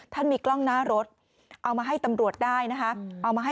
ท่านมีกล้องหน้ารถเอามาให้ตำรวจได้นะคะ